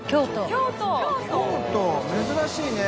京都珍しいね。